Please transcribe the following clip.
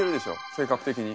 性格的に。